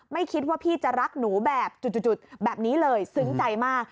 ไม่คิดว่าพี่จะรักหนูแบบจุดแบบนี้เลยซึ้งใจมาก